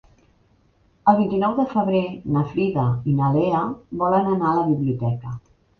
El vint-i-nou de febrer na Frida i na Lea volen anar a la biblioteca.